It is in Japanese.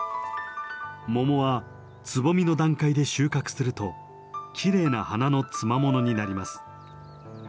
桃はつぼみの段階で収穫するときれいな花のつまものになります。